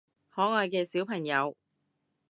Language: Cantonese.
可愛嘅小朋友